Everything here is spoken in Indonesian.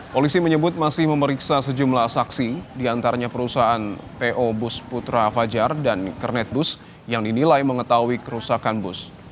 polisi menyebut masih memeriksa sejumlah saksi diantaranya perusahaan po bus putra fajar dan kernet bus yang dinilai mengetahui kerusakan bus